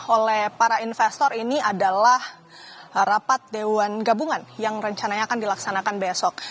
oleh para investor ini adalah rapat dewan gabungan yang rencananya akan dilaksanakan besok